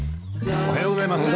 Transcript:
おはようございます。